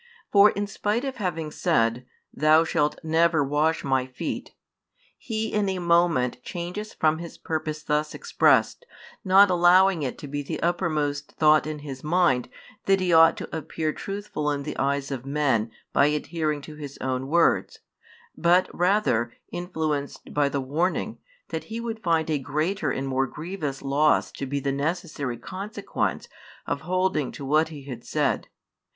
For in spite of having said: Thou shalt never wash my feet, he in a moment changes from his purpose thus expressed, not allowing it to be the uppermost thought in his mind that he ought to appear truthful in the eyes of men by adhering to his own words, but rather [influenced by the warning] that he would find a greater and more grievous loss to be the necessary consequence of holding to what he had said.